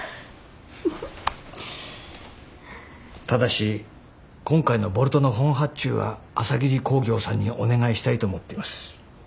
ただし今回のボルトの本発注は朝霧工業さんにお願いしたいと思ってます。